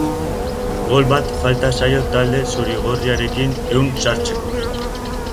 Gol bat falta zaio talde zurigorriarekin ehun sartzeko.